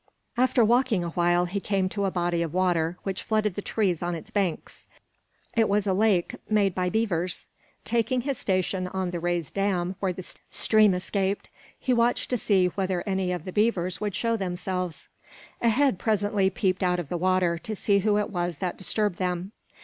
After walking a while, he came to a body of water which flooded the trees on its hanks it was a lake made by beavers. Taking his station on the raised dam where the stream escaped, he watched to see whether any of the beavers would show themselves. A head presently peeped out of the water to see who it was that disturbed them.